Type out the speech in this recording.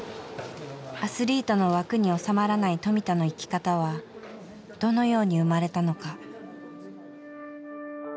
アスリートの枠に収まらない富田の生き方はどのように生まれたのか。